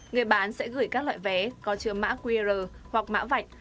người bán sẽ gửi các loại vé có chứa mã qr hoặc mã vạch